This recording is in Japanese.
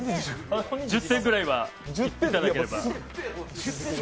１０点ぐらいはいただければ。